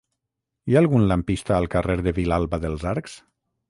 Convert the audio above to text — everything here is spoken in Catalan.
Hi ha algun lampista al carrer de Vilalba dels Arcs?